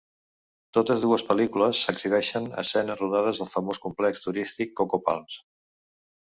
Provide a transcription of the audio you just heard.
Totes dues pel·lícules exhibeixen escenes rodades al famós complex turístic Coco Palms.